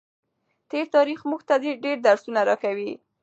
تېر تاریخ موږ ته ډېر درسونه راکوي.